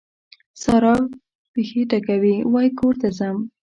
سارا پښې ټکوي؛ وای کور ته ځم.